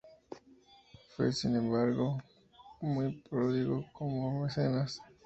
Fue sin embargo, muy pródigo como mecenas.